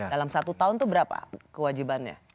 dalam satu tahun itu berapa kewajibannya